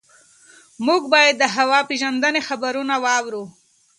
موږ باید د هوا پېژندنې خبرونه واورو.